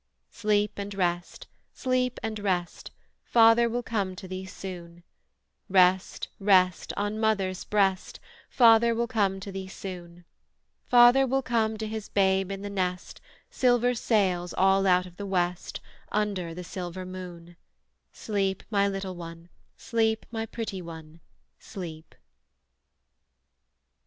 Sleep and rest, sleep and rest, Father will come to thee soon; Rest, rest, on mother's breast, Father will come to thee soon; Father will come to his babe in the nest, Silver sails all out of the west Under the silver moon: Sleep, my little one, sleep, my pretty one, sleep.